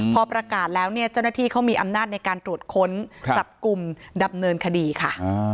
พอประกาศแล้วเนี่ยเจ้าหน้าที่เขามีอำนาจในการตรวจค้นจับกลุ่มดำเนินคดีค่ะ